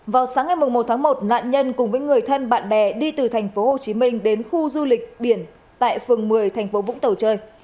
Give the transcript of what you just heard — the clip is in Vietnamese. vào sáng ngày một tháng một nạn nhân cùng với người thân bạn bè đi từ tp hcm đến khu du lịch biển tại phường một mươi thành phố vũng tàu chơi